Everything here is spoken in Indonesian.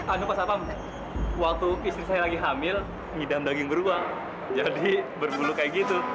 aduh pak sapam waktu istri saya lagi hamil hidam daging beruang jadi berbulu kayak gitu